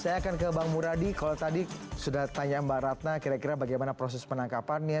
saya akan ke bang muradi kalau tadi sudah tanya mbak ratna kira kira bagaimana proses penangkapannya